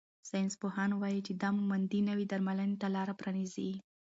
ساینسپوهان وايي چې دا موندنې نوې درملنې ته لار پرانیزي.